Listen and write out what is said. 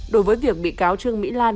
đối với việc bị cáo trương mỹ lan